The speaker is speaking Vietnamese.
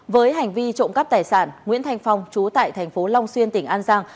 với hành vi trộm cắp tài sản nguyễn thành phong trú tại thành phố long xuyên tỉnh an giang